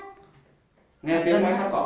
hai nhà sát nhau